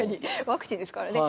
ワクチンですからね。